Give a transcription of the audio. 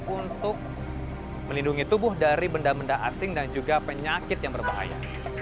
untuk melindungi tubuh dari benda benda asing dan juga penyakit yang berbahaya